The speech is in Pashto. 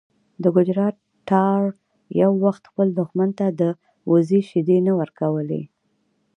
د ګجرات تارړ یو وخت خپل دښمن ته د وزې شیدې نه ورکولې.